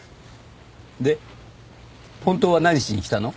で本当は何しに来たの？